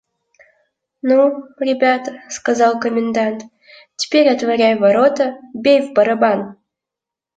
«Ну, ребята, – сказал комендант, – теперь отворяй ворота, бей в барабан.